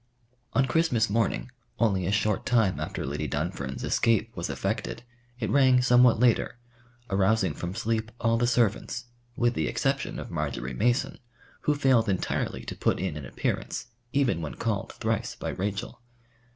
On Christmas morning, only a short time after Lady Dunfern's escape was effected, it rang somewhat later, arousing from sleep all the servants, with the exception of Marjory Mason, who failed entirely to put in an appearance, even when called thrice by Rachel.